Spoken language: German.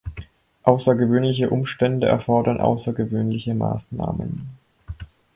Außergewöhnliche Umstände erfordern außergewöhnliche Maßnahmen.